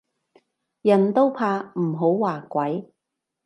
人都怕唔好話鬼